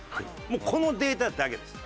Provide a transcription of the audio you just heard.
もうこのデータだけです。